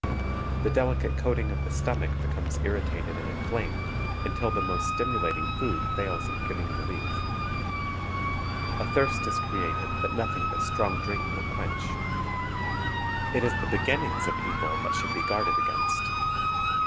The delicate coating of the stomach becomes irritated and inflamed until the most stimulat ing food fails of giving relief. A thirst is created that nothing but strong drink will quench. It is the beginnings of evil that should be guarded against.